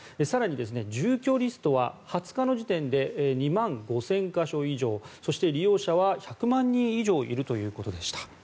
更に住居リストは２０日の時点で２万５０００か所以上そして利用者は１００万人以上いるということでした。